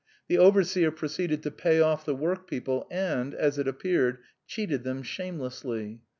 The overseer proceeded to pay off the workpeople and, as it appeared, cheated them shamelessly.